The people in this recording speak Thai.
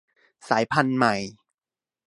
สายพันธุ์ใหม่